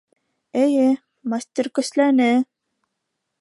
Эйе, мастер көсләне...